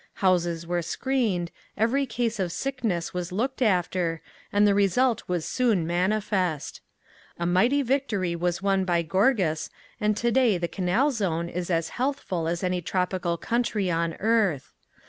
Houses were screened, every case of sickness was looked after, and the result was soon manifest. A mighty victory was won by Gorgas and today the Canal Zone is as healthful as any tropical country on earth.